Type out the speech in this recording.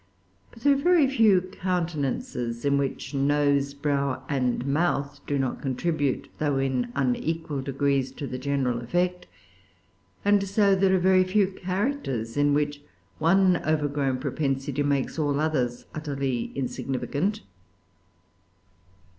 But there are very few countenances in which nose, brow, and mouth do not contribute, though in unequal degrees, to the general effect; and so there are very few characters in which one overgrown propensity makes all others utterly insignificant.